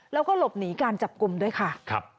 แล้วก็หลบหนีการจับกลุ่มด้วยค่ะ